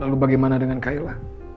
lalu bagaimana dengan kayla